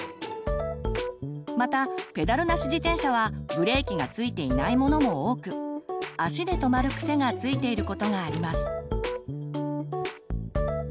またペダルなし自転車はブレーキがついていないものも多く足で止まる癖がついていることがあります。